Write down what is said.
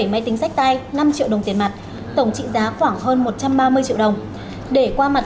bảy máy tính sách tay năm triệu đồng tiền mặt tổng trị giá khoảng hơn một trăm ba mươi triệu đồng để qua mặt